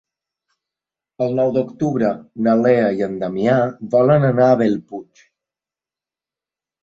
El nou d'octubre na Lea i en Damià volen anar a Bellpuig.